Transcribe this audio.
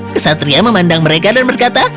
kesatria memandang mereka dan berkata